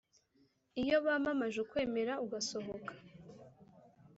iyo bamamaje ukwemera ugasohoka